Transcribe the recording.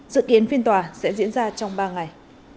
dự kiến phiên tòa sẽ diễn ra trong ba ngày